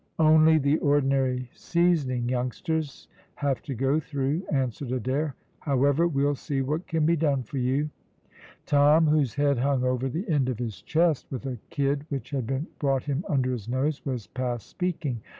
"Only the ordinary seasoning youngsters have to go through," answered Adair; "however, we'll see what can be done for you." Tom, whose head hung over the end of his chest, with a kid which had been brought him under his nose, was past speaking.